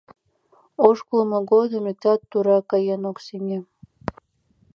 Ошкылмо годым иктат тура каен ок сеҥе.